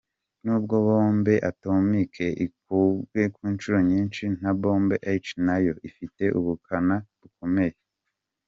Nubwo Bombe atomique ikubwe inshuro nyinshi na Bombe H nayo ifite ubukana bukomeye.